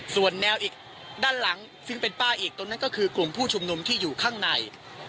ส่วนแนวอีกด้านหลังซึ่งเป็นป้าอีกตรงนั้นก็คือกลุ่มผู้ชุมนุมที่อยู่ข้างใน